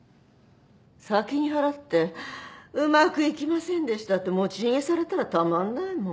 先に払ってうまくいきませんでしたって持ち逃げされたらたまんないもん。